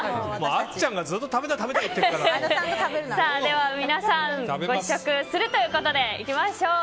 あっちゃんがでは皆さんご試食するということでいきましょう。